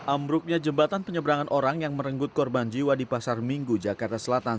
ambruknya jembatan penyeberangan orang yang merenggut korban jiwa di pasar minggu jakarta selatan